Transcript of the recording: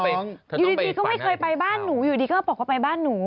อยู่ดีก็ไม่เคยไปบ้านหนูอยู่ดีก็บอกว่าไปบ้านหนู